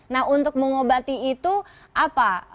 nah untuk mengobati itu apa